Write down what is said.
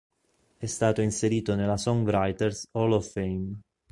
È stato inserito nella Songwriters Hall of Fame.